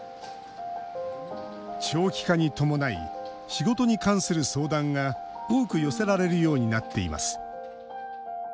長期化に伴い仕事に関する相談が多く寄せられるようになっています。